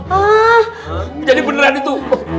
hah jadi beneran itu